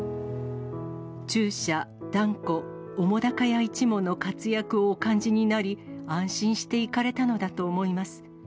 中車、團子、澤瀉屋一門の活躍をお感じになり、安心して逝かれたのだと思います。